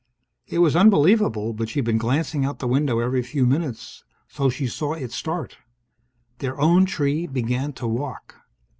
It was unbelievable, but she'd been glancing out the window every few minutes, so she saw it start. Their own tree began to walk.